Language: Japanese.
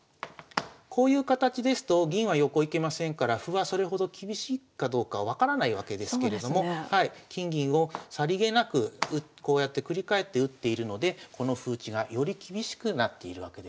こういう形ですと銀は横行けませんから歩はそれほど厳しいかどうか分からないわけですけれども金銀をさりげなくこうやって繰り替えて打っているのでこの歩打ちがより厳しくなっているわけですね。